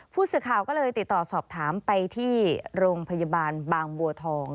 ผู้สื่อข่าวก็เลยติดต่อสอบถามไปที่โรงพยาบาลบางบัวทอง